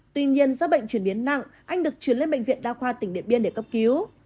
tuy nhiên do bệnh chuyển biến nặng anh được chuyển lên bệnh viện đa khoa tỉnh điện biên để cấp cứu